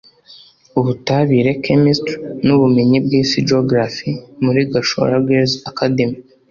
Ubutabire (Chemistry) n’Ubumenyi bw’Isi (Geography) muri Gashora Girls’ Academy